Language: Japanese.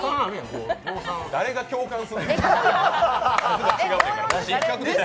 誰が共感するねん！